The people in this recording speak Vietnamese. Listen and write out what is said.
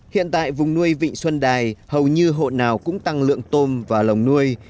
hiện tại vùng nuôi vịnh xuân đài hầu như hộ nào cũng tăng lượng tôm và lồng nuôi